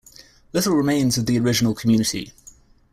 Little remains of the original community.